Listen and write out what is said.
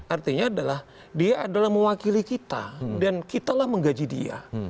artinya adalah dia adalah mewakili kita dan kitalah menggaji dia